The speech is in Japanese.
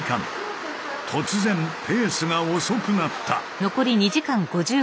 突然ペースが遅くなった。